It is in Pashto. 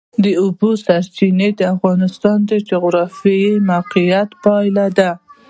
د اوبو سرچینې د افغانستان د جغرافیایي موقیعت پایله ده.